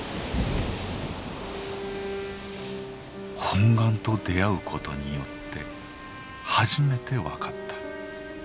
「本願と出遭うことによってはじめてわかった。